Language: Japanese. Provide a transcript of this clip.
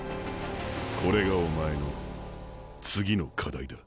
これがお前の次の課題だ。